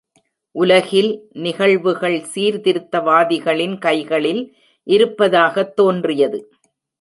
உலகில் நிகழ்வுகள் சீர்திருத்தவாதிகளின் கைகளில் இருப்பதாகத் தோன்றியது.